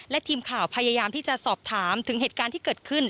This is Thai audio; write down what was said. และทีมข่าวพยายามที่จะสอบถามถึงเหตุการณ์ที่เกิดขึ้น